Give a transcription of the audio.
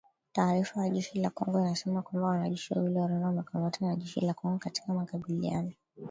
Taarifa ya jeshi la Kongo imesema kwamba wanajeshi wawili wa Rwanda wamekamatwa na jeshi la Kongo katika makabiliano